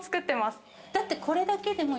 だってこれだけでも。